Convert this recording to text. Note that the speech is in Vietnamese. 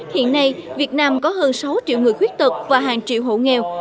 hiện nay việt nam có hơn sáu triệu người khuyết tật và hàng triệu hộ nghèo